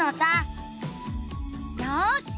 よし！